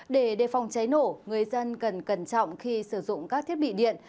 để đề phòng cháy nổ người dân cần cẩn trọng khi sử dụng các thiết bị điện